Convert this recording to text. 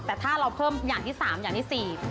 แต่ถ้าเราเพิ่มอย่างที่๓อย่างที่๔